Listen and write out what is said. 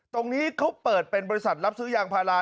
ตรงนี้เขาเปิดเป็นบริษัทรับซื้อยางพารา